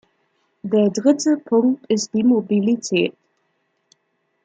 Der dritte Punkt ist die Mobilität.